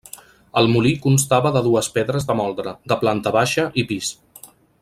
El molí constava de dues pedres de moldre, de planta baixa i pis.